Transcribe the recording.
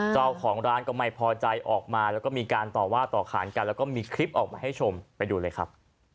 เจ้าของร้านก็ไม่พอใจออกมาแล้วก็มีการต่อว่าต่อขานกันแล้วก็มีคลิปออกมาให้ชมไปดูเลยครับ